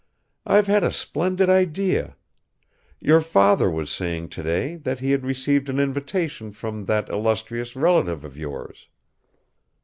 "I've had a splendid idea. Your father was saying today that he had received an invitation from that illustrious relative of yours.